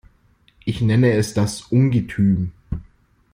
Ich nenne es das Ungetüm.